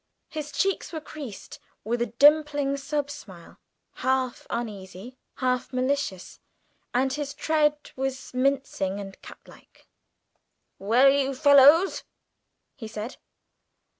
His cheeks were creased with a dimpling subsmile, half uneasy, half malicious, and his tread was mincing and catlike. "Well, you fellows?" he said.